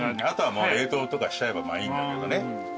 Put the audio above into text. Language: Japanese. あとは冷凍とかしちゃえばいいんだけどね。